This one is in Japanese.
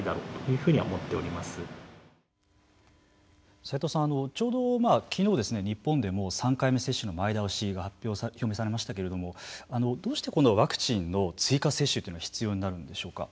齋藤さん、ちょうどきのう日本でも３回目接種の前倒しが表明されましたけれどもどうしてワクチンの追加接種というのが必要になるんでしょうか。